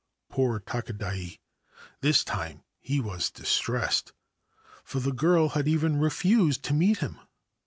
Poor Takadai ! This time he was distressed, for the girl had even refused to meet him.